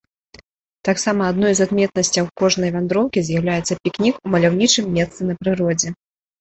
Таксама адной з адметнасцяў кожнай вандроўкі з'яўляецца пікнік у маляўнічым месцы на прыродзе.